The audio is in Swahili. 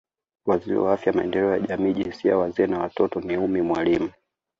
Waziri wa Afya Maendeleo ya Jamii Jinsia Wazee na Watoto ni Ummy Mwalimu